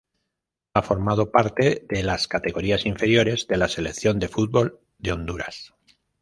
Ha formado parte de las categorías inferiores de la Selección de fútbol de Honduras.